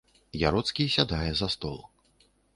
Яроцкі сядае за стол.